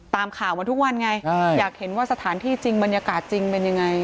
ตามข่าวมาทุกวันไงอยากเห็นว่าสถานที่จริงบรรยากาศจริงเป็นยังไง